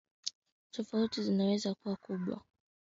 tofauti vinaweza kuwa kubwa lakini katika hali yoyote kuegemea